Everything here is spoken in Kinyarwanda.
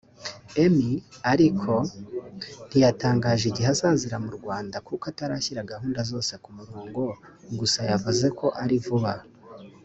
Emmy ariko ntiyatangaje igihe azazira mu Rwanda kuko atarashyira gahunda zose ku murongo gusa yavuze ko ari vuba